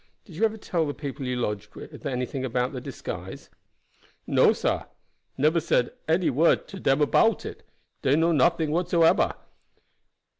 Did you ever tell the people you lodged with anything about the disguise?" "No, sah, neber said one word to dem about it; dey know nothing whatsoeber.